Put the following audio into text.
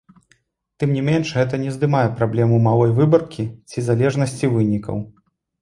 Тым не менш, гэта не здымае праблему малой выбаркі ці залежнасці вынікаў.